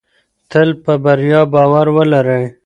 تل په بریا باور ولرئ.